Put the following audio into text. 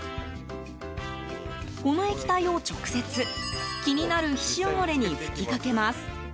この液体を直接、気になる皮脂汚れに吹きかけます。